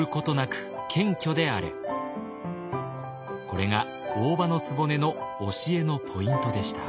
これが大姥局の教えのポイントでした。